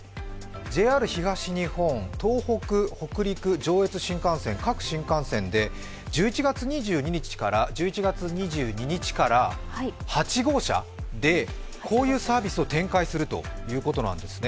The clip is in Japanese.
ＪＲ東日本、東北、北陸、上越新幹線各新幹線で１１月２２日から８号車でこういうサービスを展開するということなんですね。